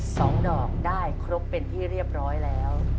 สองดอกได้ครบเป็นที่เรียบร้อยแล้ว